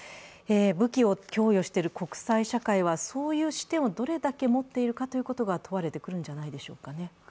武器を供与している国際社会はそういう視点をどれだけ持っているかということが問われてくるんじゃないでしょうか。